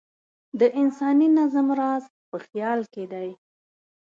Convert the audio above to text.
د انساني نظم راز په خیال کې دی.